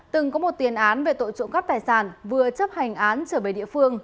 từng có một tiền án về tội trộm cắp tài sản vừa chấp hành án trở về địa phương